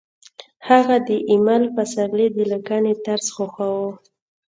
هغې د ایمل پسرلي د لیکنې طرز خوښاوه